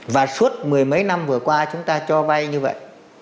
và suốt mười mấy năm vừa qua chúng ta cho vay như vậy